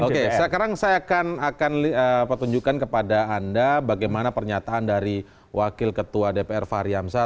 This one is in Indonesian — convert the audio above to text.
oke sekarang saya akan petunjukkan kepada anda bagaimana pernyataan dari wakil ketua dpr fahri hamzah